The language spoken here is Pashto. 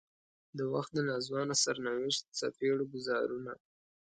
د وخت د ناځوانه سرنوشت څپېړو ګوزارونه.